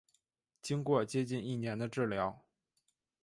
经过接近一年的治疗